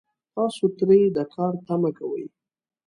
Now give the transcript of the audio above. تاسو ترې د کار تمه کوئ